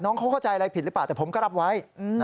น้องเขาเข้าใจอะไรผิดหรือเปล่าแต่ผมก็รับไว้